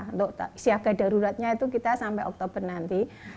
untuk siaga daruratnya itu kita sampai oktober nanti